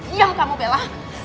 diam kamu bella